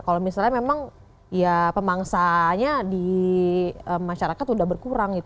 kalau misalnya memang ya pemangsanya di masyarakat sudah berkurang gitu